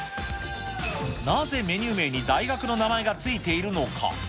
なぜメニュー名に大学の名前が付いているのか。